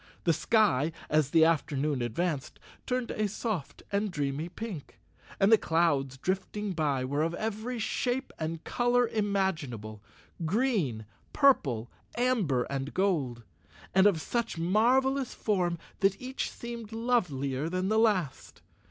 The sky, as the afternoon ad¬ vanced, turned a soft and dreamy pink, and the clouds drifting by were of every shape and color imaginable —green, purple, amber and gold—and of such mar¬ velous form that each seemed lovelier than the last.